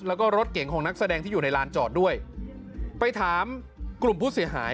แล้วก็รถเก่งของนักแสดงที่อยู่ในลานจอดด้วยไปถามกลุ่มผู้เสียหาย